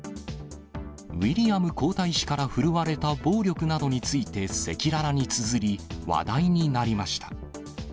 ウィリアム皇太子から振るわれた暴力などについて赤裸々につづり、話題になりました。